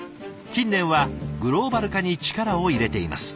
近年はグローバル化に力を入れています。